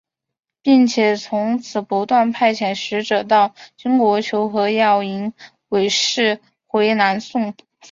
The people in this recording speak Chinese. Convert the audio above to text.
并且从此不断派遣使者到金国求和要迎韦氏回南宋。